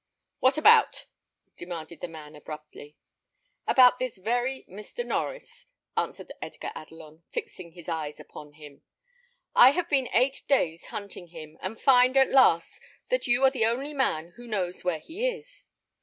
"What about?" demanded the man, abruptly. "About this very Mr. Norries," answered Edgar Adelon, fixing his eyes upon him. "I have been eight days hunting him, and find, at last, that you are the only man who knows where he is."